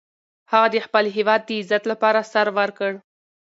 هغه د خپل هیواد د عزت لپاره سر ورکړ.